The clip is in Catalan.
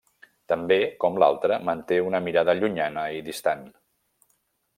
També, com l'altre, manté una mirada llunyana i distant.